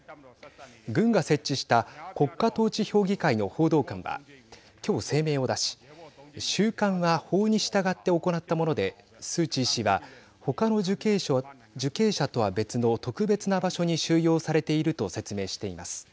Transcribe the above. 軍が設置した国家統治評議会の報道官はきょう声明を出し収監は法に従って行ったものでスー・チー氏はほかの受刑者とは別の特別な場所に収容されていると説明しています。